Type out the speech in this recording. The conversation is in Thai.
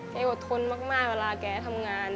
ยอดทนมากเวลาแกทำงาน